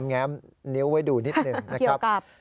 แง้มนิ้วไว้ดูนิดหนึ่งนะครับ